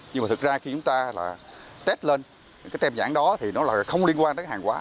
nhưng mà thực ra khi chúng ta là tết lên cái tem nhãn đó thì nó là không liên quan đến hàng hóa